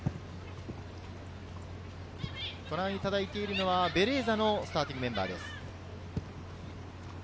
ご覧いただいているのはベレーザのスターティングメンバーです。